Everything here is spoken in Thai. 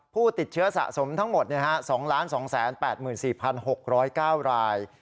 ผู้ติดเชื้อสะสมทั้งหมด๒๒๘๔๖๐๙ราย